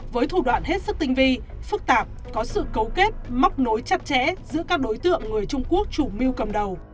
với thủ đoạn hết sức tinh vi phức tạp có sự cấu kết móc nối chặt chẽ giữa các đối tượng người trung quốc chủ mưu cầm đầu